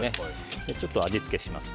ちょっと味付けをします。